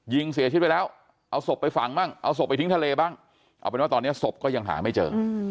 ยิงเสียชีวิตไปแล้วเอาศพไปฝังบ้างเอาศพไปทิ้งทะเลบ้างเอาเป็นว่าตอนนี้ศพก็ยังหาไม่เจอ